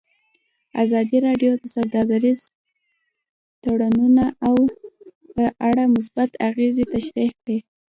ازادي راډیو د سوداګریز تړونونه په اړه مثبت اغېزې تشریح کړي.